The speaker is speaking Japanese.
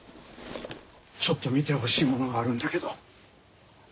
ちょっと見てほしいものがあるんだけど。